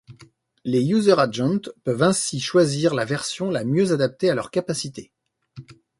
Les User-Agent peuvent ainsi choisir la version la mieux adaptée à leurs capacités.